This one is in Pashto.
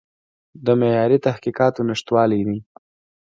د معیاري تحقیقاتو نشتوالی دی.